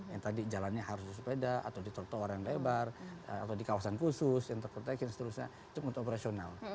yang tadi jalannya harus di sepeda atau di truk truk orang yang lebar atau di kawasan khusus yang terkontekin seterusnya itu untuk operasional